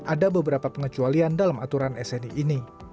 ada beberapa pengecualian dalam aturan sni ini